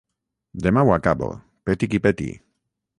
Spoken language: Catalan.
Demà ho acabo, peti qui peti.